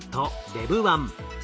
ＬＥＶ−１。